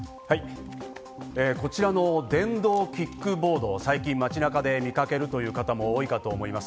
こちらの電動キックボード、最近街なかで見かけるという方も多いかと思います。